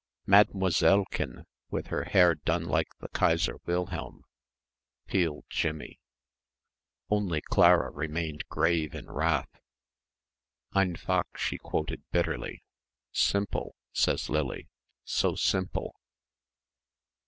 "Mademoisellekin with her hair done like the Kaiser Wilhelm," pealed Jimmie. Only Clara remained grave in wrath. "Einfach," she quoted bitterly, "Simple says Lily, so simple!"